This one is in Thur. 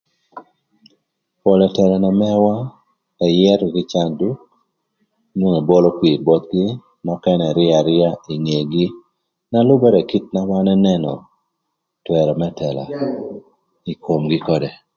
Pol ëtëla na mëwa ëyërö kï canduk nwongo ebolo kwir bothgï nökënë ëryëö aryëa ï ngegï. Na lübërë kï kit na wan ënënö twërö më tëla ï komgï këdë.